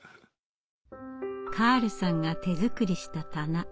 カールさんが手作りした棚。